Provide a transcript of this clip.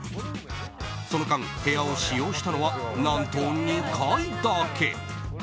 その間、部屋を使用したのは何と２回だけ。